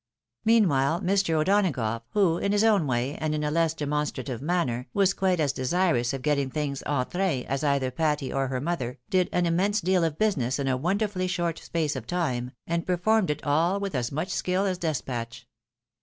Meanwhile Mr. O'Donagough, who, in his own "(ray, and in a less demonstrative manner, was quite as desirous of getting things en train as either Patty or her mother, did an immense deal of business in a wonderfully short space of time, and per formed it all with as much skill as despatch.